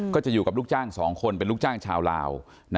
ก็จะอยู่กับลูกจ้าง๒คนเป็นลูกจ้างชาวลาว